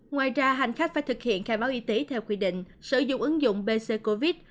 ngoài ra hành khách phải thực hiện khai báo y tế theo quy định sử dụng ứng dụng bc covid